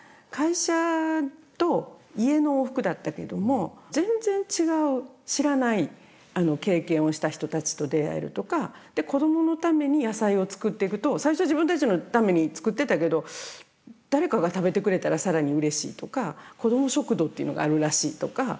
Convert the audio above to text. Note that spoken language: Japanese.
会社と家の往復だったけども全然違う知らない経験をした人たちと出会えるとか子どものために野菜をつくっていくと最初は自分たちのためにつくってたけど誰かが食べてくれたら更にうれしいとか子ども食堂っていうのがあるらしいとか